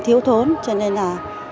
thiếu thốn cho nên là